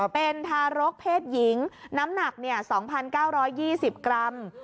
เป็นทารกเพศหญิงน้ำหนัก๒๙๒๐กรัม